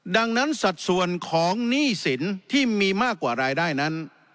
ดังนั้นสัดส่วนของหนี้สินที่มีมากกว่ารายได้นั้น